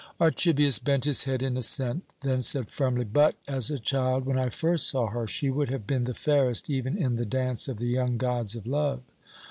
'" Archibius bent his head in assent, then said firmly, "But, as a child, when I first saw her, she would have been the fairest even in the dance of the young gods of love."